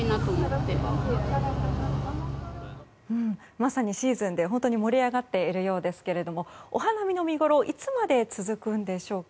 まさにシーズンで本当に盛り上がっているようですがお花見の見ごろいつまで続くんでしょうか。